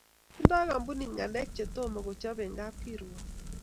Tindoi kampunit ngalek che tomo kechop eng kapkirwok